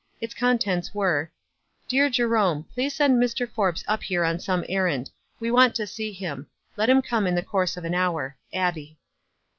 Its contents were, — "Dear Jerome: — Please send Mr. Forbes np here on some errand. We want to see him. Let him come in the course of an hour. "Abbie."